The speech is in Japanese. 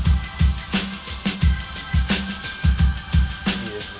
いいですね。